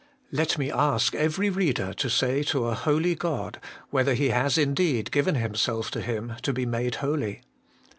Let me ask every reader to say to a Holy God, whether he has indeed given himself to Him to be made holy